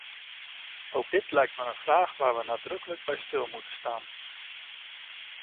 Ook dit lijkt me een vraag waar we nadrukkelijk bij stil moeten staan.